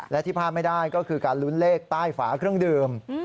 และที่พลาดไม่ได้ก็คือการลุ้นเลขใต้ฝาเครื่องดื่ม